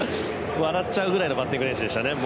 笑っちゃうくらいのバッティング練習でしたね。